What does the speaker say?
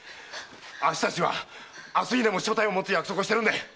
〔あっしたちは明日にでも所帯を持つ約束をしてるんで！〕